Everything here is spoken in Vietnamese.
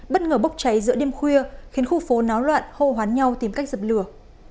bất ngờ bốc cháy giữa đêm khuya khiến khu phố náo loạn hô hoán nhau tìm cách dập lửa